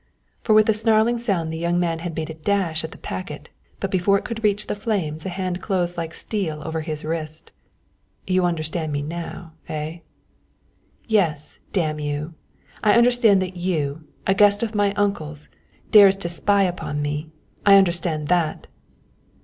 For with a snarling sound the young man had made a dash at the packet, but before it could reach the flames a hand closed like steel over his wrist. "You understand me now eh?" "Yes, damn you, I understand that you, a guest of my uncle's, dares to spy upon me. I understand that."